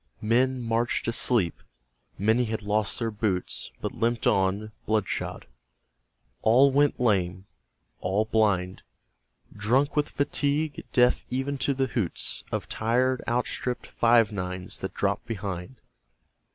Men marched asleep. Many had lost their boots But limped on, blood shod. All went lame; all blind; Drunk with fatigue; deaf even to the hoots Of tired, outstripped Five Nines that dropped behind.